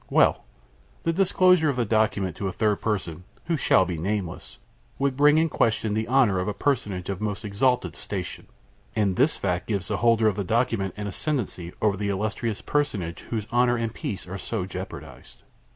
Well, the disclosure of the document to a third person, who shall be nameless, would bring in question the honor of a personage of the most exalted station, and this fact gives the holder of the document an ascendancy over the illustrious personage whose honor and peace are so jeopardized."